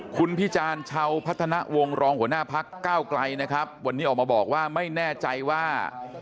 คุณพิจารณ์ชาวพัฒนาวงศ์รองหัวหน้าพักก้าวไกลนะครับวันนี้ออกมาบอกว่าไม่แน่ใจว่า